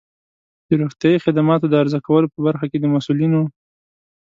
د روغتیایی خدماتو د عرضه کولو په برخه کې د مسؤلینو